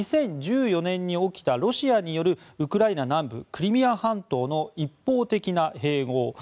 ２０１４年に起きたロシアによるウクライナ南部クリミア半島の一方的な併合。